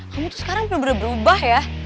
kamu tuh sekarang bener bener berubah ya